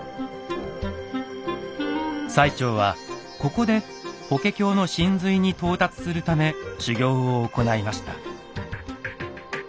最澄はここで「法華経」の神髄に到達するため修行を行いました。